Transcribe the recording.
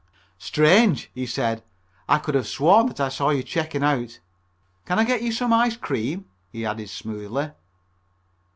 "Strange!" he said, "I could have sworn that I saw you checking out. Can I get you some ice cream?" he added smoothly.